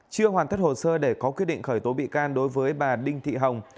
chưa hoàn tất hồ sơ để có quyết định khởi tố bị can đối với bà đinh thị hồng